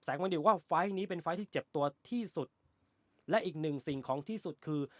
วันเดียวว่าไฟล์นี้เป็นไฟล์ที่เจ็บตัวที่สุดและอีกหนึ่งสิ่งของที่สุดคือ